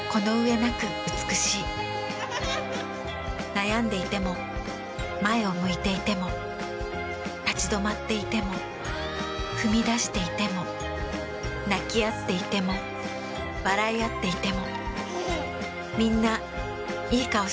悩んでいても前を向いていても立ち止まっていても踏み出していても泣きあっていても笑いあっていても。